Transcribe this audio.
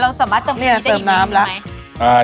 เราสามารถเติมกะทิได้ยังไงเนี่ยเติมน้ำแล้วอ่า